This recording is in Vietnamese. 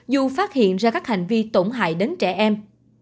dù phát hiện ra các hành vi tổn hại đến trẻ em